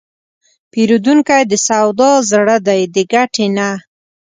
پیرودونکی د سودا زړه دی، د ګټې نه.